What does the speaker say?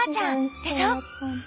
でしょ？